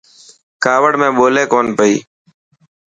ڪاوڙ ۾ ٻولي ڪونه پئي.